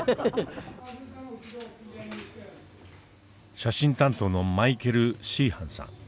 写真担当のマイケル・シーハンさん。